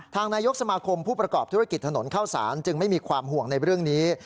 นายกสมาคมผู้ประกอบธุรกิจถนนเข้าสารจึงไม่มีความห่วงในเรื่องนี้